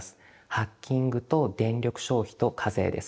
ハッキングと電力消費と課税です。